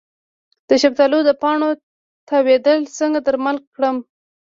د شفتالو د پاڼو تاویدل څنګه درمل کړم؟